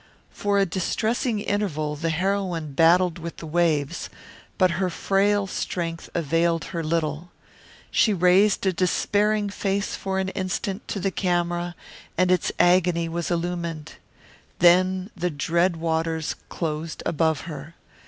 For a distressing interval the heroine battled with the waves, but her frail strength availed her little. She raised a despairing face for an instant to the camera and its agony was illumined. Then the dread waters closed above her.